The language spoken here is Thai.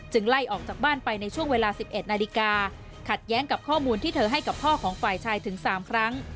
ไล่ออกจากบ้านไปในช่วงเวลา๑๑นาฬิกาขัดแย้งกับข้อมูลที่เธอให้กับพ่อของฝ่ายชายถึง๓ครั้ง